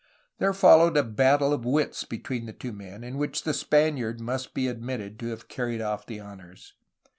There followed a battle of wits be tween the two men in which the Spaniard must be admitted to have carried off the honors.